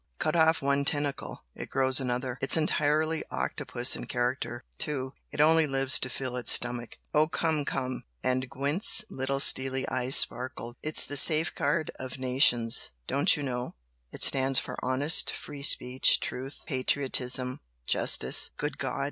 Cut off one tentacle, it grows another. It's entirely octopus in character, too, it only lives to fill its stomach." "Oh, come, come!" and Gwent's little steely eyes sparkled "It's the 'safe guard of nations' don't you know? it stands for honest free speech, truth, patriotism, justice " "Good God!"